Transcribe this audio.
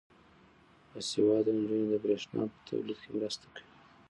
باسواده نجونې د برښنا په تولید کې مرسته کوي.